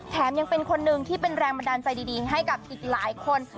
ยังเป็นคนหนึ่งที่เป็นแรงบันดาลใจดีให้กับอีกหลายคน